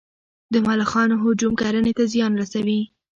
د ملخانو هجوم کرنې ته زیان رسوي